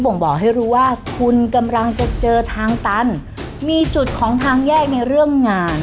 ่งบอกให้รู้ว่าคุณกำลังจะเจอทางตันมีจุดของทางแยกในเรื่องงาน